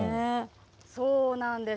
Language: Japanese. そうなんです。